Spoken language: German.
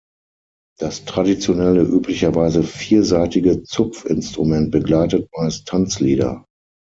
Das traditionelle, üblicherweise viersaitige Zupfinstrument begleitet meist Tanzlieder.